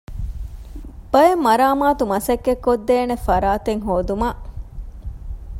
ބައެއް މަރާމާތު މަސައްކަތް ކޮށްދޭނެ ފަރާތެއް ހޯދުމަށް